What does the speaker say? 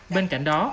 bên cạnh đó